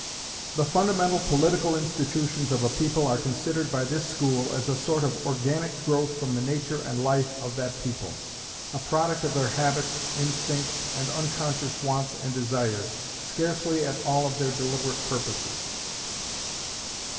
The fundamental political institutions of a people are considered by this school as a sort of organic growth from the nature and life of that people; a product of their habits, instincts, and unconscious wants and desires, scarcely at all of their deliberate purposes.